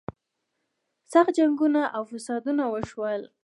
سخت جنګونه او فسادونه وشول.